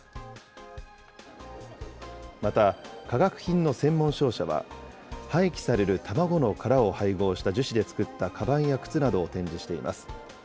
また化学品の専門商社は、廃棄される卵の殻を配合した樹脂で作ったかばんや靴などを展示しています。